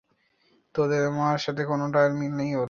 তোমার সাথে কোনোই মিল নেই ওর।